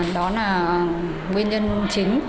đó là nguyên nhân chính